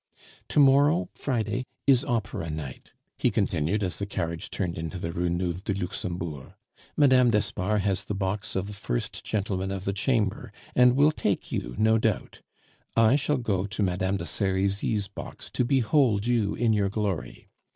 To morrow, Friday, is Opera night," he continued as the carriage turned into the Rue Nueve de Luxembourg; "Mme. d'Espard has the box of the First Gentlemen of the Chamber, and will take you, no doubt. I shall go to Mme. de Serizy's box to behold you in your glory.